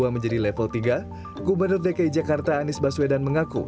menjadi level tiga gubernur dki jakarta anies baswedan mengaku